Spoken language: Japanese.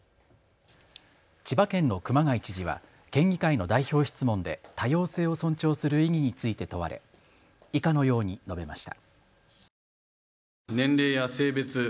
千葉県の熊谷知事は県議会の代表質問で多様性を尊重する意義について問われ以下のように述べました。